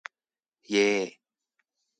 예.